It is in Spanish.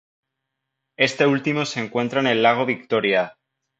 Este último se encuentra en el lago Victoria.